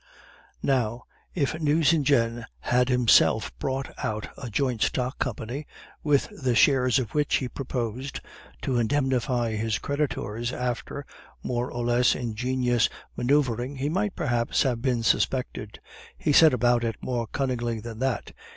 "Now, if Nucingen had himself brought out a joint stock company, with the shares of which he proposed to indemnify his creditors after more or less ingenious manoeuvring, he might perhaps have been suspected. He set about it more cunningly than that.